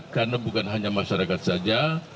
karena bukan hanya masyarakat saja